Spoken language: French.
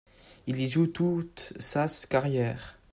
Il y joue toute sas carrière.